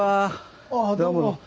・ああどうも。